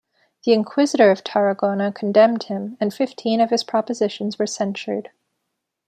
The inquisitor of Tarragona condemned him, and fifteen of his propositions were censured.